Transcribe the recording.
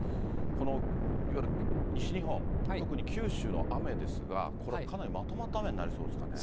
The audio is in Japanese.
このいわゆる西日本、特に九州の雨ですが、これ、かなりまとまった雨になりそうですかね。